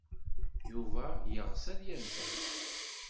Yuba yeɣs ad yazzel.